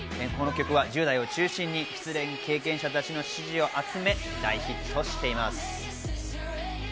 この曲は１０代を中心に失恋経験者たちの支持を集め、大ヒットしています。